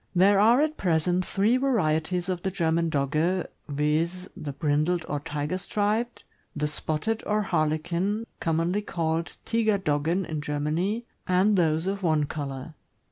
There are at present three varieties of the German Dogge, viz., the brindled or tiger striped, the spotted or Harlequin, commonly called Tiger doggen in Germany, and those of one color.